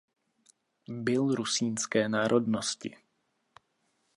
Byl rusínské národnosti.